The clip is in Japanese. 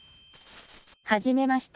はじめまして。